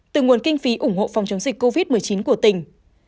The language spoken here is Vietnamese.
từ nguồn kinh phí ủng hộ phòng chống dịch covid một mươi chín của tỉnh